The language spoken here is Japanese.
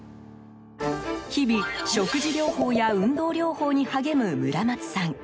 日々、食事療法や運動療法に励む村松さん。